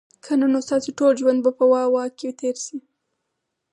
که نه نو ستاسو ټول ژوند به په "واه، واه" کي تیر سي